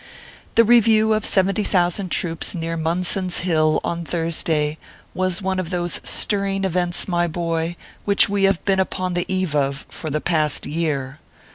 The review of seventy thousand troops near Mun son s Hill, on Thursday, was one of those stirring events, my boy, which we have been upon the eve of for the past year.